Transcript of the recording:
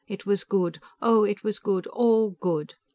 It was good; oh, it was good, all good!